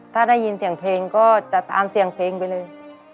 ถ้าได้ยินเสียงเพลงก็จะตามเสียงเพลงไปเลย